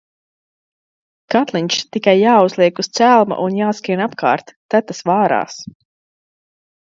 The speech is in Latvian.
Katliņš tikai jāuzliek uz celma un jāskrien apkārt, tad tas vārās.